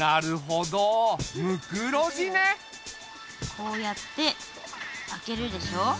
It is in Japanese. こうやって開けるでしょ。